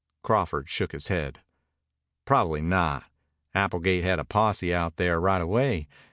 Crawford shook his head. "Probably not. Applegate had a posse out there right away.